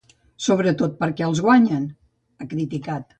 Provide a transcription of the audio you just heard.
Sobretot perquè els guanyen, ha criticat.